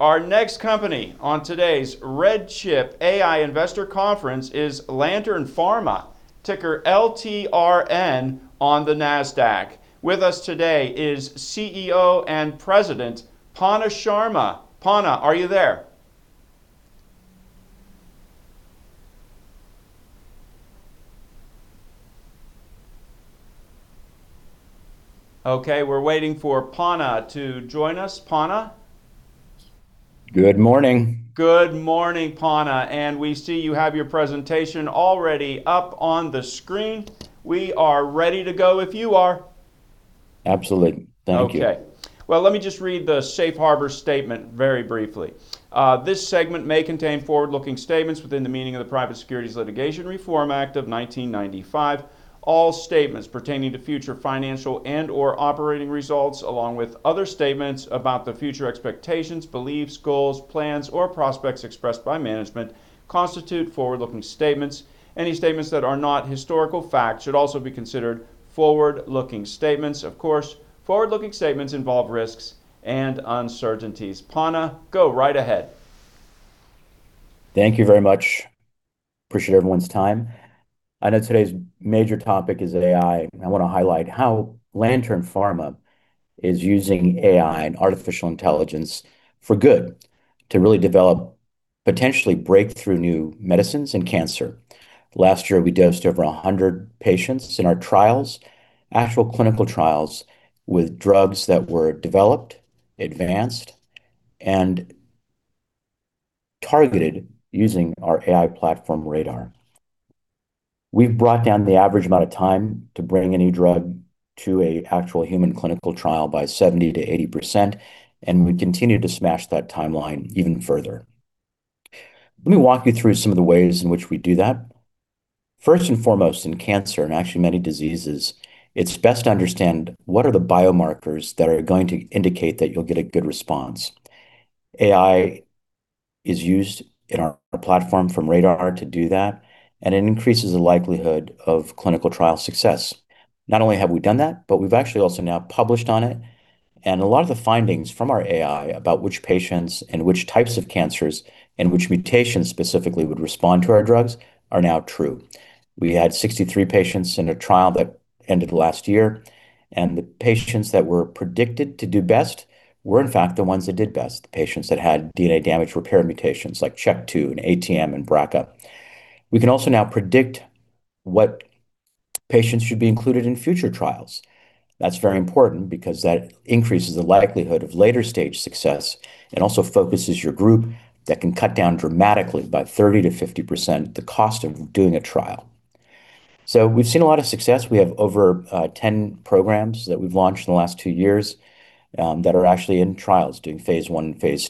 Our next company on today's RedChip AI Investor Conference is Lantern Pharma, ticker LTRN on the Nasdaq. With us today is CEO and President, Panna Sharma. Panna, are you there? Okay, we're waiting for Panna to join us. Panna? Good morning. Good morning, Panna. We see you have your presentation already up on the screen. We are ready to go if you are. Absolutely. Thank you. Okay. Well, let me just read the safe harbor statement very briefly. This segment may contain forward-looking statements within the meaning of the Private Securities Litigation Reform Act of 1995. All statements pertaining to future financial and/or operating results, along with other statements about the future expectations, beliefs, goals, plans, or prospects expressed by management, constitute forward-looking statements. Any statements that are not historical facts should also be considered forward-looking statements. Of course, forward-looking statements involve risks and uncertainties. Panna, go right ahead. Thank you very much. Appreciate everyone's time. I know today's major topic is AI. I want to highlight how Lantern Pharma is using AI and artificial intelligence for good to really develop potentially breakthrough new medicines in cancer. Last year, we dosed over 100 patients in our trials, actual clinical trials, with drugs that were developed, advanced, and targeted using our AI platform, RADR®. We've brought down the average amount of time to bring any drug to a actual human clinical trial by 70%-80%, and we continue to smash that timeline even further. Let me walk you through some of the ways in which we do that. First and foremost, in cancer and actually many diseases, it's best to understand what are the biomarkers that are going to indicate that you'll get a good response. AI is used in our platform from RADR to do that, and it increases the likelihood of clinical trial success. Not only have we done that, but we've actually also now published on it. A lot of the findings from our AI about which patients and which types of cancers and which mutations specifically would respond to our drugs are now true. We had 63 patients in a trial that ended last year, and the patients that were predicted to do best were, in fact, the ones that did best, the patients that had DNA damage repair mutations like CHEK2 and ATM and BRCA. We can also now predict what patients should be included in future trials. That's very important because that increases the likelihood of later stage success and also focuses your group that can cut down dramatically by 30%-50% the cost of doing a trial. We've seen a lot of success. We have over 10 programs that we've launched in the last two years that are actually in trials doing phase I and phase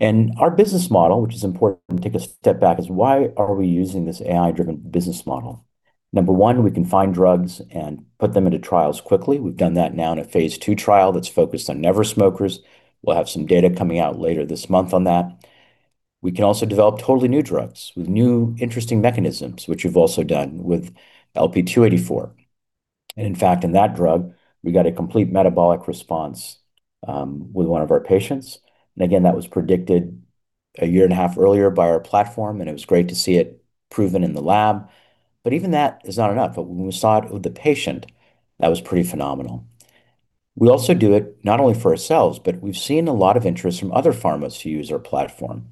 II. Our business model, which is important to take a step back, is why are we using this AI-driven business model? Number one, we can find drugs and put them into trials quickly. We've done that now in a phase II trial that's focused on never smokers. We'll have some data coming out later this month on that. We can also develop totally new drugs with new interesting mechanisms, which we've also done with LP-284. In fact, in that drug, we got a complete metabolic response with one of our patients. Again, that was predicted a year and a half earlier by our platform, and it was great to see it proven in the lab. Even that is not enough. When we saw it with the patient, that was pretty phenomenal. We also do it not only for ourselves, but we've seen a lot of interest from other pharmas to use our platform.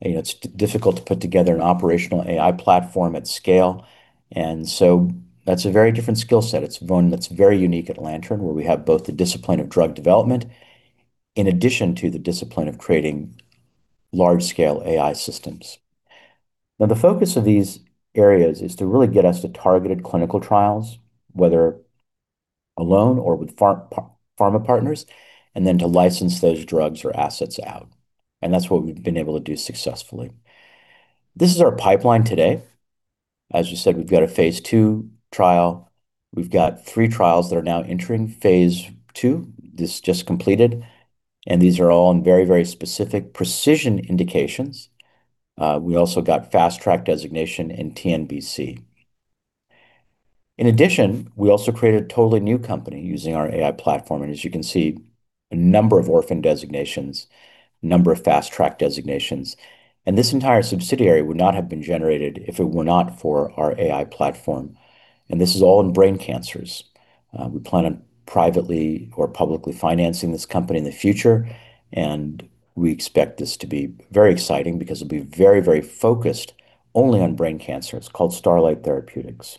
You know, it's difficult to put together an operational AI platform at scale, and so that's a very different skill set. It's one that's very unique at Lantern, where we have both the discipline of drug development in addition to the discipline of creating large-scale AI systems. Now, the focus of these areas is to really get us to targeted clinical trials, whether alone or with pharma partners, and then to license those drugs or assets out. That's what we've been able to do successfully. This is our pipeline today. As you said, we've got a phase II trial. We've got three trials that are now entering phase II. This just completed, and these are all in very specific precision indications. We also got fast track designation in TNBC. In addition, we also created a totally new company using our AI platform. As you can see, a number of orphan designations, a number of fast track designations. This entire subsidiary would not have been generated if it were not for our AI platform. This is all in brain cancers. We plan on privately or publicly financing this company in the future, and we expect this to be very exciting because it'll be very, very focused only on brain cancer. It's called Starlight Therapeutics.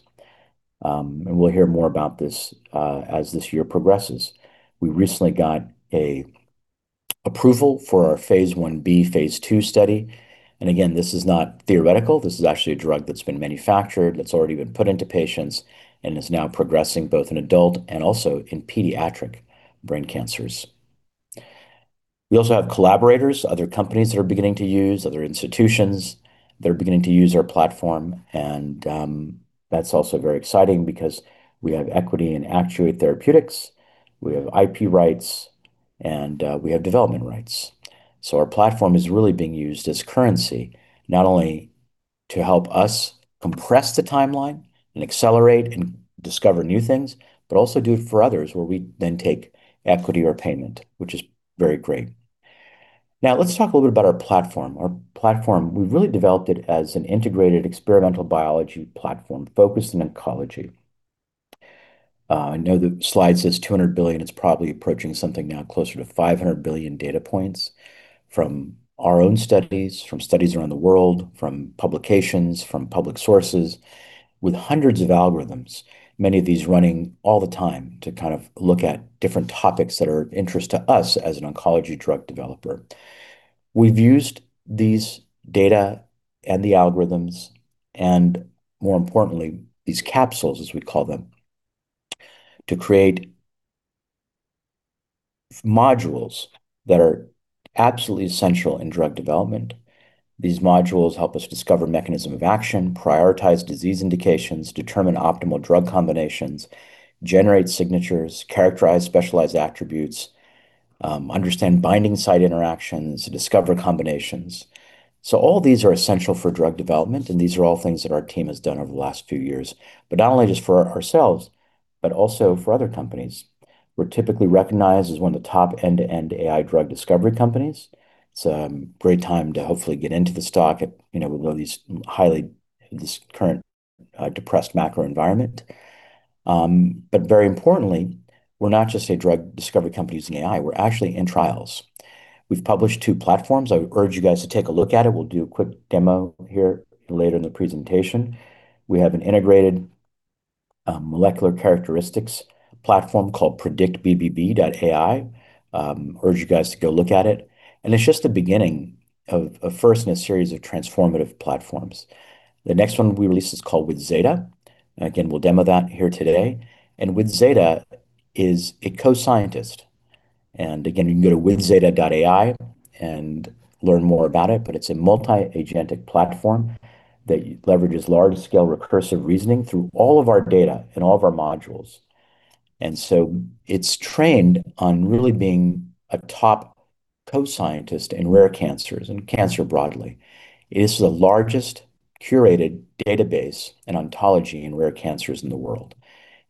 We'll hear more about this as this year progresses. We recently got an approval for our phase I-B, phase II study. Again, this is not theoretical. This is actually a drug that's been manufactured, that's already been put into patients, and is now progressing both in adult and also in pediatric brain cancers. We also have collaborators, other companies that are beginning to use, other institutions that are beginning to use our platform. That's also very exciting because we have equity in Actuate Therapeutics, we have IP rights, and we have development rights. Our platform is really being used as currency, not only to help us compress the timeline and accelerate and discover new things, but also do it for others where we then take equity or payment, which is very great. Now let's talk a little bit about our platform. Our platform, we've really developed it as an integrated experimental biology platform focused in oncology. I know the slide says 200 billion. It's probably approaching something now closer to 500 billion data points from our own studies, from studies around the world, from publications, from public sources, with hundreds of algorithms, many of these running all the time to kind of look at different topics that are of interest to us as an oncology drug developer. We've used these data and the algorithms, and more importantly, these capsules, as we call them, to create modules that are absolutely essential in drug development. These modules help us discover mechanism of action, prioritize disease indications, determine optimal drug combinations, generate signatures, characterize specialized attributes, understand binding site interactions, discover combinations. All these are essential for drug development, and these are all things that our team has done over the last few years. Not only just for ourselves, but also for other companies. We're typically recognized as one of the top end-to-end AI drug discovery companies. It's a great time to hopefully get into the stock at, you know, with all these highlights in this current depressed macro environment. Very importantly, we're not just a drug discovery company using AI. We're actually in trials. We've published two platforms. I would urge you guys to take a look at it. We'll do a quick demo here later in the presentation. We have an integrated, molecular characteristics platform called PredictBBB.ai. Urge you guys to go look at it. It's just the beginning of first in a series of transformative platforms. The next one we released is called withZeta. Again, we'll demo that here today. WithZeta is a co-scientist. Again, you can go to withzeta.ai and learn more about it. It's a multi-agentic platform that leverages large-scale recursive reasoning through all of our data and all of our modules. It's trained on really being a top co-scientist in rare cancers and cancer broadly. It is the largest curated database and ontology in rare cancers in the world.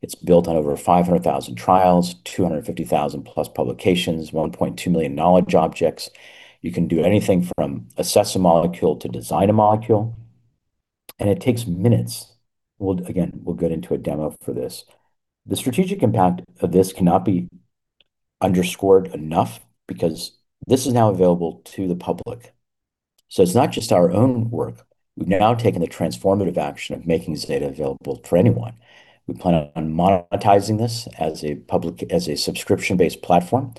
It's built on over 500,000 trials, 250,000 plus publications, 1.2 million knowledge objects. You can do anything from assess a molecule to design a molecule, and it takes minutes. We'll get into a demo for this. The strategic impact of this cannot be underscored enough because this is now available to the public. It's not just our own work. We've now taken the transformative action of making this data available for anyone. We plan on monetizing this as a subscription-based platform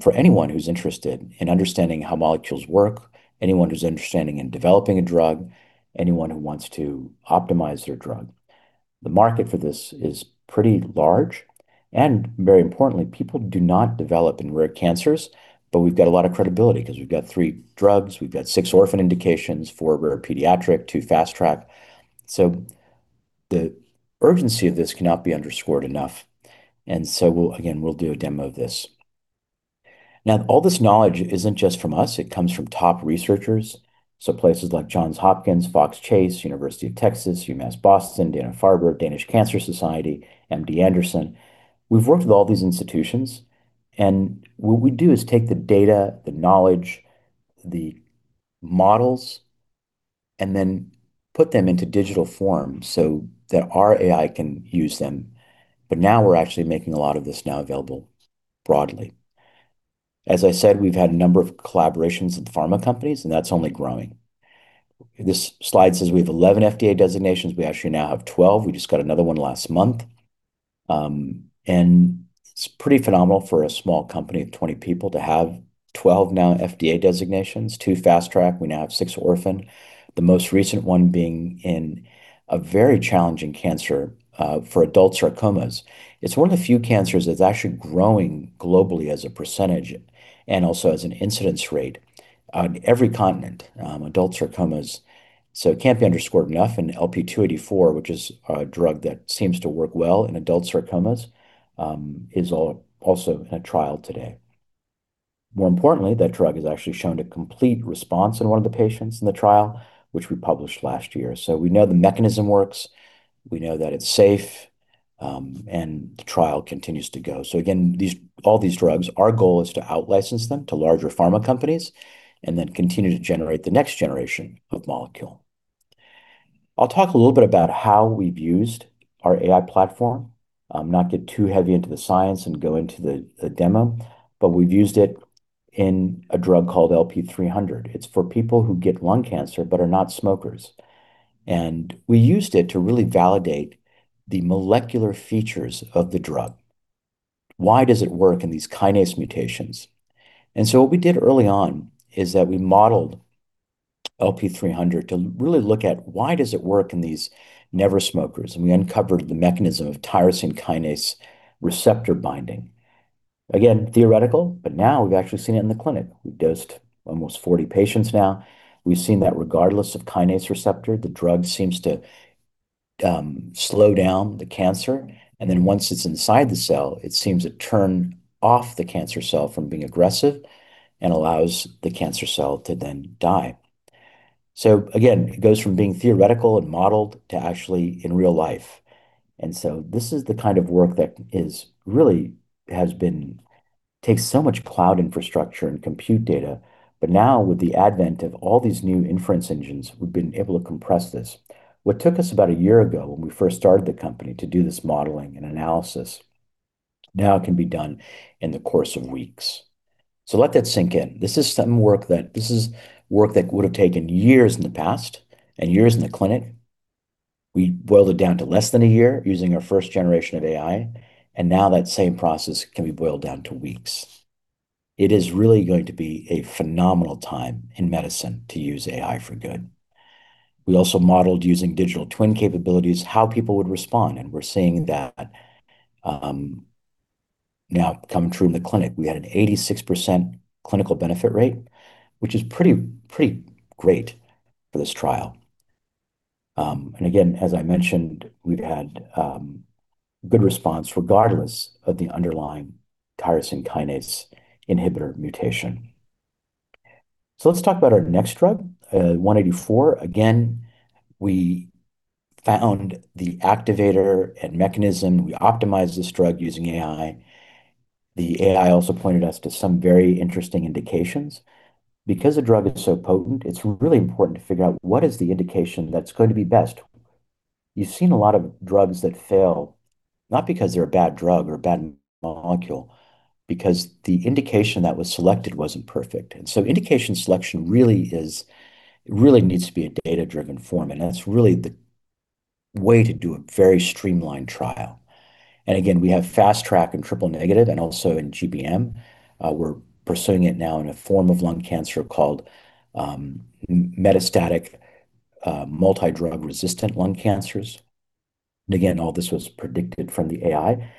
for anyone who's interested in understanding how molecules work, anyone who's interested in developing a drug, anyone who wants to optimize their drug. The market for this is pretty large, and very importantly, people do not develop in rare cancers, but we've got a lot of credibility because we've got three drugs, we've got six orphan indications, four rare pediatric, two fast track. The urgency of this cannot be underscored enough. We'll do a demo of this. Again, all this knowledge isn't just from us, it comes from top researchers. Places like Johns Hopkins, Fox Chase, University of Texas, UMass Boston, Dana-Farber, Danish Cancer Society, MD Anderson. We've worked with all these institutions, and what we do is take the data, the knowledge, the models, and then put them into digital form so that our AI can use them. Now we're actually making a lot of this now available broadly. As I said, we've had a number of collaborations with pharma companies, and that's only growing. This slide says we have 11 FDA designations. We actually now have 12. We just got another one last month. It's pretty phenomenal for a small company of 20 people to have 12 now FDA designations, two fast track. We now have six orphan. The most recent one being in a very challenging cancer for adult sarcomas. It's one of the few cancers that's actually growing globally as a percentage and also as an incidence rate on every continent, adult sarcomas. It can't be underscored enough. LP-384, which is a drug that seems to work well in adult sarcomas, is also in a trial today. More importantly, that drug has actually shown a complete response in one of the patients in the trial, which we published last year. We know the mechanism works. We know that it's safe, and the trial continues to go. Again, all these drugs, our goal is to out-license them to larger pharma companies and then continue to generate the next generation of molecule. I'll talk a little bit about how we've used our AI platform, not get too heavy into the science and go into the demo, but we've used it in a drug called LP-300. It's for people who get lung cancer but are not smokers. We used it to really validate the molecular features of the drug. Why does it work in these kinase mutations? What we did early on is that we modeled LP-300 to really look at why does it work in these never smokers, and we uncovered the mechanism of tyrosine kinase receptor binding. Again, theoretical, but now we've actually seen it in the clinic. We've dosed almost 40 patients now. We've seen that regardless of kinase receptor, the drug seems to slow down the cancer, and then once it's inside the cell, it seems to turn off the cancer cell from being aggressive and allows the cancer cell to then die. Again, it goes from being theoretical and modeled to actually in real life. This is the kind of work that really takes so much cloud infrastructure and compute data, but now with the advent of all these new inference engines, we've been able to compress this. What took us about a year ago when we first started the company to do this modeling and analysis now can be done in the course of weeks. Let that sink in. This is work that would have taken years in the past and years in the clinic. We boiled it down to less than a year using our first generation of AI, and now that same process can be boiled down to weeks. It is really going to be a phenomenal time in medicine to use AI for good. We also modeled using digital twin capabilities, how people would respond, and we're seeing that, now coming through in the clinic. We had an 86% clinical benefit rate, which is pretty great for this trial. Again, as I mentioned, we've had good response regardless of the underlying tyrosine kinase inhibitor mutation. Let's talk about our next drug, LP-184. Again, we found the activator and mechanism. We optimized this drug using AI. The AI also pointed us to some very interesting indications. Because the drug is so potent, it's really important to figure out what is the indication that's going to be best. You've seen a lot of drugs that fail, not because they're a bad drug or a bad molecule, because the indication that was selected wasn't perfect. Indication selection really needs to be a data-driven form, and that's really the way to do a very streamlined trial. We have fast track and triple-negative and also in GBM. We're pursuing it now in a form of lung cancer called metastatic multidrug-resistant lung cancers. All this was predicted from the AI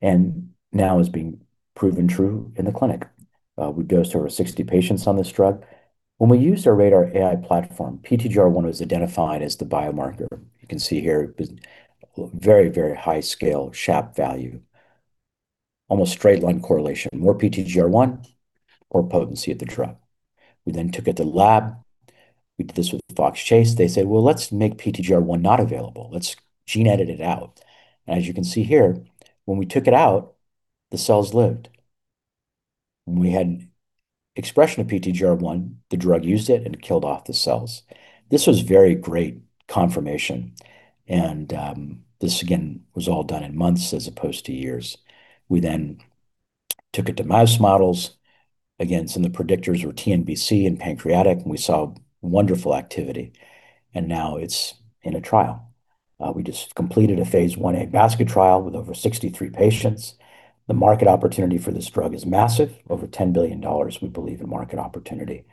and now is being proven true in the clinic. We dosed over 60 patients on this drug. When we used our RADR AI platform, PTGR1 was identified as the biomarker. You can see here, very, very high scale SHAP value, almost straight line correlation. More PTGR1, more potency of the drug. We then took it to lab. We did this with Fox Chase. They say, "Well, let's make PTGR1 not available. Let's gene edit it out." As you can see here, when we took it out, the cells lived. When we had expression of PTGR1, the drug used it and killed off the cells. This was very great confirmation, and this again was all done in months as opposed to years. We then took it to mouse models. Again, some of the predictors were TNBC and pancreatic, and we saw wonderful activity, and now it's in a trial. We just completed a phase I-A basket trial with over 63 patients. The market opportunity for this drug is massive, over $10 billion, we believe in market opportunity.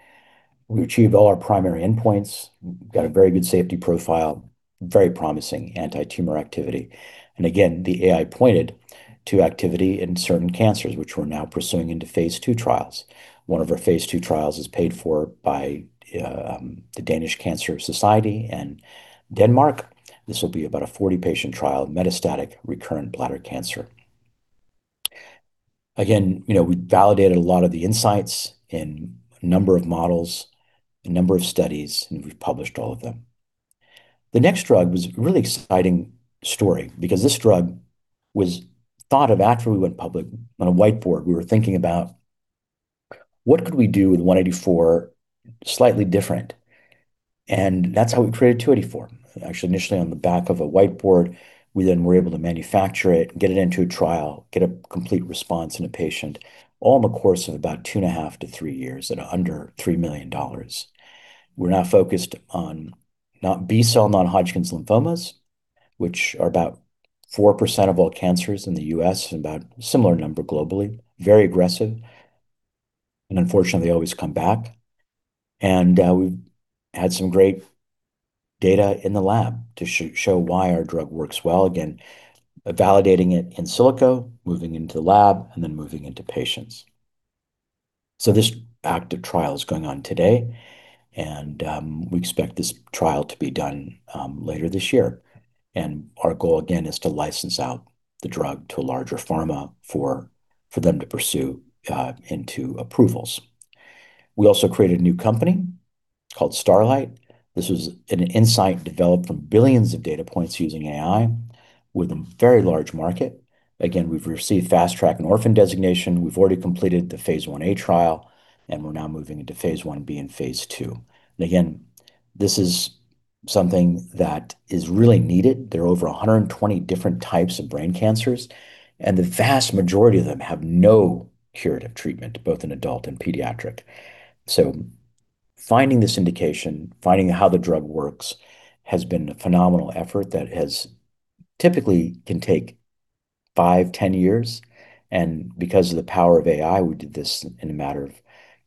We achieved all our primary endpoints, got a very good safety profile, very promising anti-tumor activity. Again, the AI pointed to activity in certain cancers, which we're now pursuing into phase II trials. One of our phase II trials is paid for by the Danish Cancer Society in Denmark. This will be about a 40-patient trial, metastatic recurrent bladder cancer. Again, you know, we validated a lot of the insights in a number of models, a number of studies, and we've published all of them. The next drug was a really exciting story because this drug was thought of after we went public. On a whiteboard, we were thinking about what could we do with 184 slightly different, and that's how we created 284. Actually, initially on the back of a whiteboard, we then were able to manufacture it, get it into a trial, get a complete response in a patient, all in the course of about two and half to three years at under $3 million. We're now focused on non-B-cell non-Hodgkin lymphomas, which are about 4% of all cancers in the U.S. and about similar number globally. Very aggressive, and unfortunately, they always come back. We had some great data in the lab to show why our drug works well, again, validating it in silico, moving into lab, and then moving into patients. This active trial is going on today, and we expect this trial to be done later this year. Our goal, again, is to license out the drug to a larger pharma for them to pursue into approvals. We also created a new company called Starlight. This was an insight developed from billions of data points using AI with a very large market. Again, we've received Fast Track and orphan designation. We've already completed the phase I-A trial, and we're now moving into phase I-B and phase II. Again, this is something that is really needed. There are over 120 different types of brain cancers, and the vast majority of them have no curative treatment, both in adult and pediatric. Finding this indication, finding how the drug works has been a phenomenal effort that has typically can take five, 10 years. Because of the power of AI, we did this in a matter of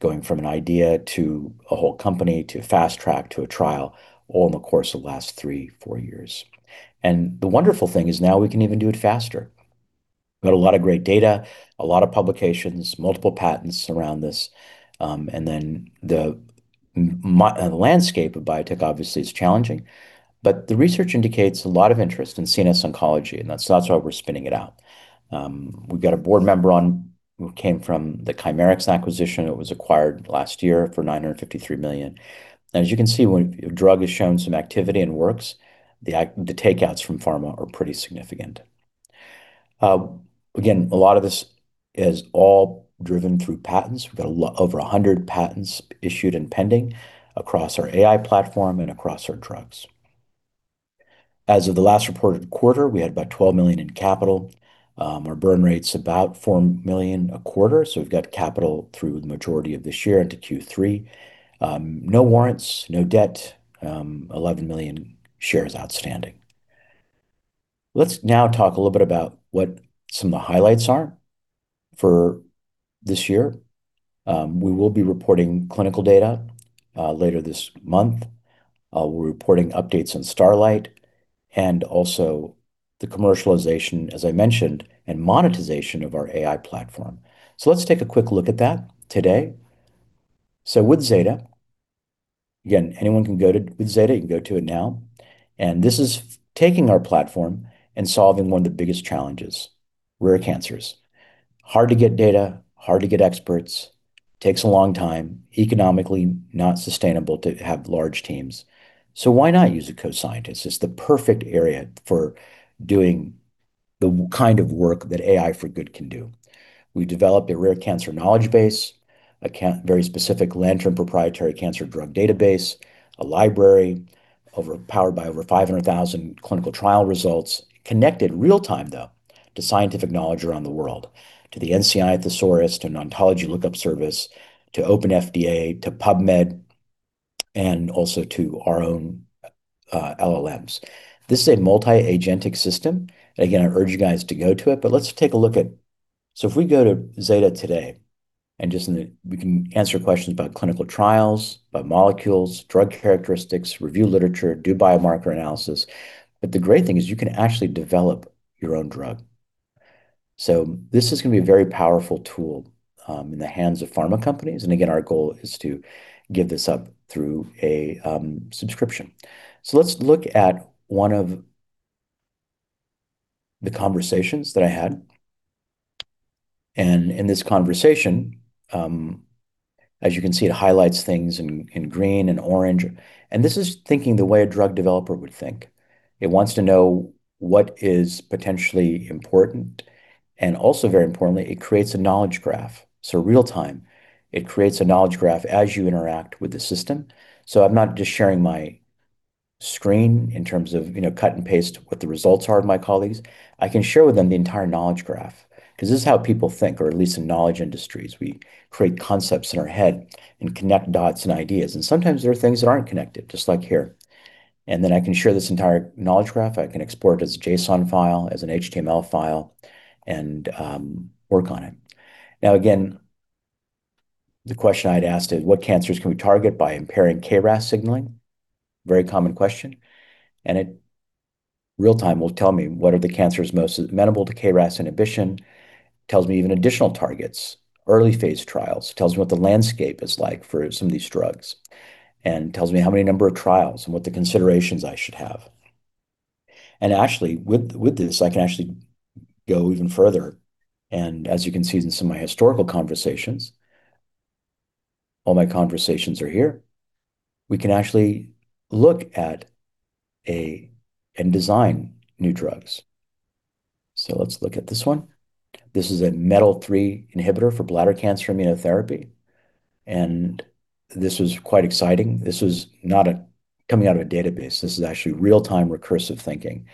going from an idea to a whole company to Fast Track to a trial all in the course of the last three, four years. The wonderful thing is now we can even do it faster. Got a lot of great data, a lot of publications, multiple patents around this, and then the landscape of biotech obviously is challenging but the research indicates a lot of interest in CNS oncology, and that's why we're spinning it out. We've got a board member on who came from the Chimerix acquisition. It was acquired last year for $953 million. As you can see, when a drug has shown some activity and works, the takeouts from pharma are pretty significant. Again, a lot of this is all driven through patents. We've got a lot over 100 patents issued and pending across our AI platform and across our drugs. As of the last reported quarter, we had about $12 million in capital. Our burn rate's about $4 million a quarter, so we've got capital through the majority of this year into Q3. No warrants, no debt, 11 million shares outstanding. Let's now talk a little bit about what some of the highlights are for this year. We will be reporting clinical data later this month. We're reporting updates on Starlight and also the commercialization, as I mentioned, and monetization of our AI platform. Let's take a quick look at that today. With Zeta, you can go to it now, and this is taking our platform and solving one of the biggest challenges, rare cancers. Hard to get data, hard to get experts, takes a long time, economically not sustainable to have large teams. Why not use a co-scientist? It's the perfect area for doing the kind of work that AI for good can do. We developed a rare cancer knowledge base, a very specific Lantern proprietary cancer drug database, a library powered by over 500,000 clinical trial results, connected real-time, though, to scientific knowledge around the world, to the NCI Thesaurus, to an ontology lookup service, to openFDA, to PubMed, and also to our own LLMs. This is a multi-agentic system. Again, I urge you guys to go to it, but let's take a look at it. If we go to withZeta today, we can answer questions about clinical trials, about molecules, drug characteristics, review literature, do biomarker analysis. The great thing is you can actually develop your own drug. This is gonna be a very powerful tool in the hands of pharma companies. Again, our goal is to give this up through a subscription. Let's look at one of the conversations that I had. In this conversation, as you can see, it highlights things in green and orange. This is thinking the way a drug developer would think. It wants to know what is potentially important, and also very importantly, it creates a knowledge graph. Real-time, it creates a knowledge graph as you interact with the system. I'm not just sharing my screen in terms of, you know, cut and paste what the results are to my colleagues. I can share with them the entire knowledge graph 'cause this is how people think, or at least in knowledge industries. We create concepts in our head and connect dots and ideas. Sometimes there are things that aren't connected, just like here. Then I can share this entire knowledge graph. I can export it as a JSON file, as an HTML file, and work on it. Now again, the question I'd asked it, "What cancers can we target by impairing KRAS signaling?" Very common question. It real-time will tell me what are the cancers most amenable to KRAS inhibition. Tells me even additional targets, early-phase trials, tells me what the landscape is like for some of these drugs, and tells me how many number of trials and what the considerations I should have. Actually, with this, I can actually go even further. As you can see, this is some of my historical conversations. All my conversations are here. We can actually look at and design new drugs. Let's look at this one. This is a METTL3 inhibitor for bladder cancer immunotherapy, and this was quite exciting. This was not coming out of a database. This is actually real-time recursive thinking.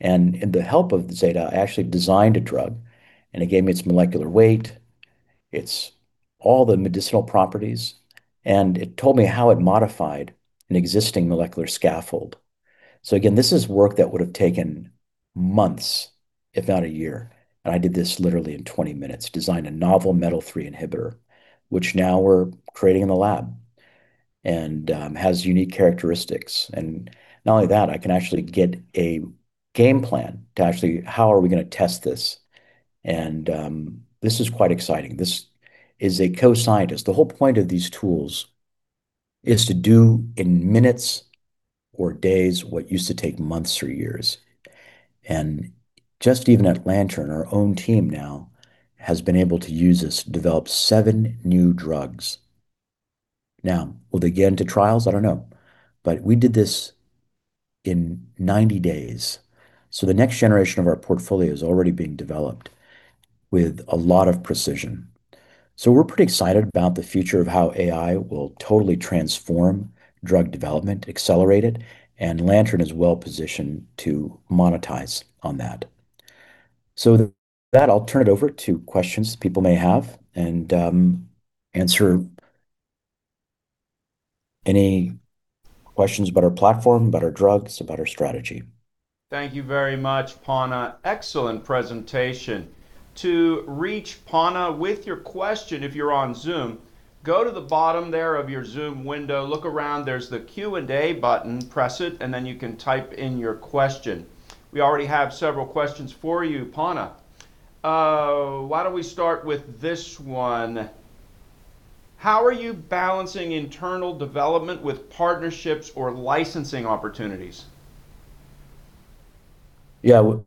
With the help of Zeta, I actually designed a drug, and it gave me its molecular weight, its all the medicinal properties, and it told me how it modified an existing molecular scaffold. Again, this is work that would have taken months, if not a year. I did this literally in 20 minutes, designed a novel METTL3 inhibitor, which now we're creating in the lab and has unique characteristics. Not only that, I can actually get a game plan to actually how are we gonna test this. This is quite exciting. This is a co-scientist. The whole point of these tools is to do in minutes or days what used to take months or years. Just even at Lantern, our own team now has been able to use this to develop seven new drugs. Now, will they get into trials? I don't know. We did this in 90 days. The next generation of our portfolio is already being developed with a lot of precision. We're pretty excited about the future of how AI will totally transform drug development, accelerate it, and Lantern is well-positioned to monetize on that. With that, I'll turn it over to questions people may have and answer any questions about our platform, about our drugs, about our strategy. Thank you very much, Panna. Excellent presentation. To reach Panna with your question, if you're on Zoom, go to the bottom there of your Zoom window, look around, there's the Q&A button, press it, and then you can type in your question. We already have several questions for you, Panna. Why don't we start with this one. How are you balancing internal development with partnerships or licensing opportunities? Yeah. Well,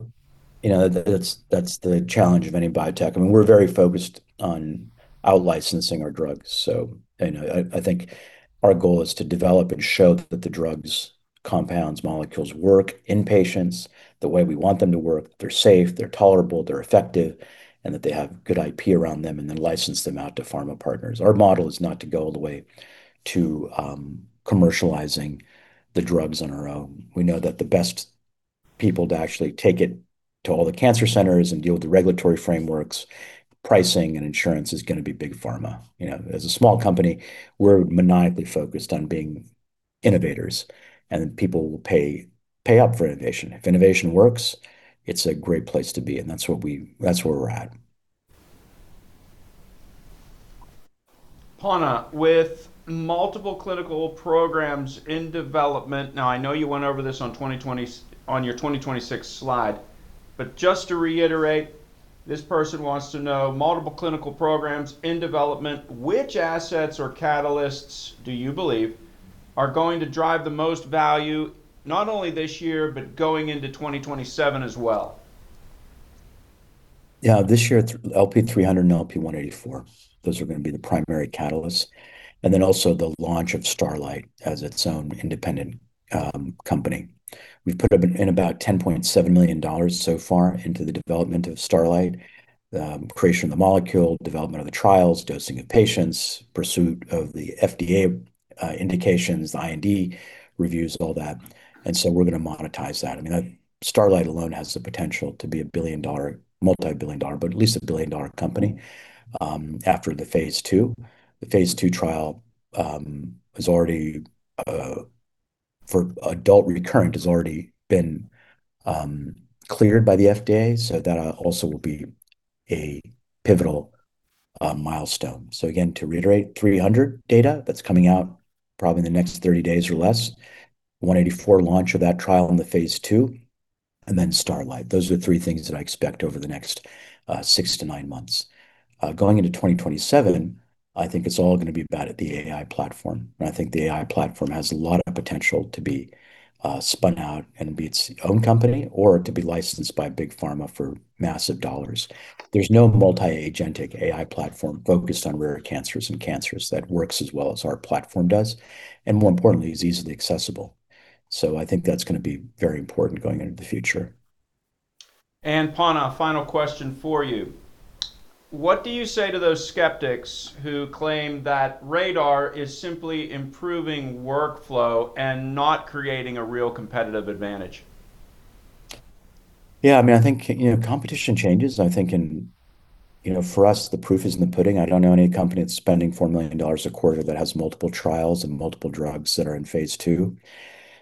you know, that's the challenge of any biotech. I mean, we're very focused on out-licensing our drugs. I think our goal is to develop and show that the drugs, compounds, molecules work in patients the way we want them to work, they're safe, they're tolerable, they're effective, and that they have good IP around them, and then license them out to pharma partners. Our model is not to go all the way to commercializing the drugs on our own. We know that the best people to actually take it to all the cancer centers and deal with the regulatory frameworks, pricing, and insurance is gonna be big pharma. You know, as a small company, we're maniacally focused on being innovators, and people will pay up for innovation. If innovation works, it's a great place to be, and that's where we're at. Panna, with multiple clinical programs in development. Now, I know you went over this on your 2026 slide, but just to reiterate, this person wants to know, multiple clinical programs in development, which assets or catalysts do you believe are going to drive the most value, not only this year, but going into 2027 as well? Yeah. This year, LP-300 and LP-184. Those are gonna be the primary catalysts. Then also the launch of Starlight as its own independent company. We've put up in about $10.7 million so far into the development of Starlight, the creation of the molecule, development of the trials, dosing of patients, pursuit of the FDA indications, the IND reviews, all that. We're gonna monetize that. I mean, that Starlight alone has the potential to be a billion-dollar, multi-billion dollar, but at least a billion-dollar company after the phase II. The phase II trial for adult recurrent has already been cleared by the FDA, so that also will be a pivotal milestone. To reiterate, 300 data, that's coming out probably in the next 30 days or less. LP-184 launch of that trial in phase II, and then Starlight Therapeutics. Those are the three things that I expect over the next six, nine months. Going into 2027, I think it's all gonna be about the AI platform. I think the AI platform has a lot of potential to be spun out and be its own company or to be licensed by big pharma for massive dollars. There's no multi-agentic AI platform focused on rare cancers and cancers that works as well as our platform does, and more importantly, is easily accessible. I think that's gonna be very important going into the future. Panna, final question for you. What do you say to those skeptics who claim that RADR® is simply improving workflow and not creating a real competitive advantage? Yeah, I mean, I think, you know, competition changes. I think in, you know, for us, the proof is in the pudding. I don't know any company that's spending $4 million a quarter that has multiple trials and multiple drugs that are in phase II.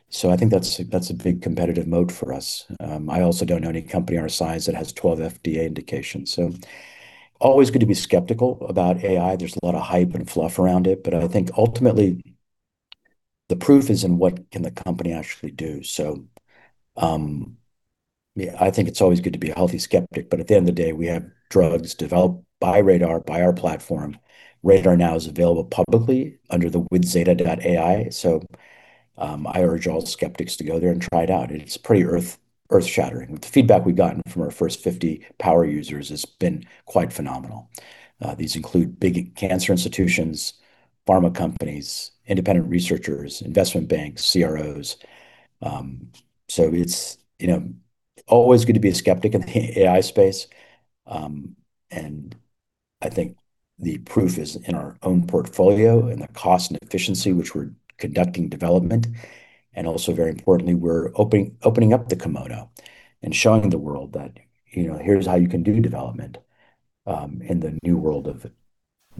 So I think that's a big competitive mode for us. I also don't know any company our size that has 12 FDA indications. So always good to be skeptical about AI. There's a lot of hype and fluff around it. But I think ultimately, the proof is in what can the company actually do. So, yeah, I think it's always good to be a healthy skeptic, but at the end of the day, we have drugs developed by RADR®, by our platform. RADR® now is available publicly under the withZeta.ai. I urge all the skeptics to go there and try it out. It's pretty earth-shattering. The feedback we've gotten from our first 50 power users has been quite phenomenal. These include big cancer institutions, pharma companies, independent researchers, investment banks, CROs. It's, you know, always good to be a skeptic in the AI space. I think the proof is in our own portfolio and the cost and efficiency which we're conducting development. Also very importantly, we're opening up the kimono and showing the world that, you know, here's how you can do development in the new world of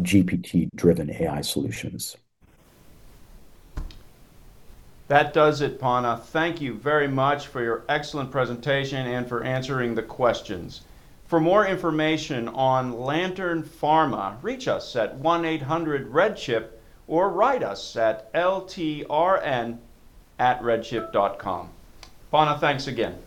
GPT-driven AI solutions. That does it, Panna. Thank you very much for your excellent presentation and for answering the questions. For more information on Lantern Pharma, reach us at 1-800-RedChip or write us at ltrn@redchip.com. Panna, thanks again.